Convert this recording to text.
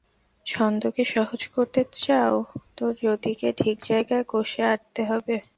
ছন্দকে সহজ করতে চাও তো যতিকে ঠিক জায়গায় কষে আঁটতে হবে।